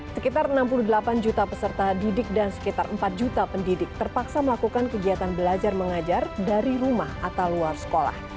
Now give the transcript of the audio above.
sekitar enam puluh delapan juta peserta didik dan sekitar empat juta pendidik terpaksa melakukan kegiatan belajar mengajar dari rumah atau luar sekolah